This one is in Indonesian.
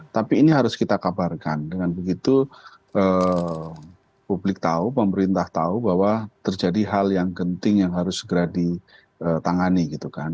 tapi ini harus kita kabarkan dengan begitu publik tahu pemerintah tahu bahwa terjadi hal yang genting yang harus segera ditangani gitu kan